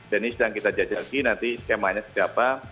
dan ini sedang kita jajaki nanti skemanya segala